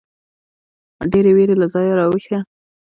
ډېـرې وېـرې له ځايـه راويـښه.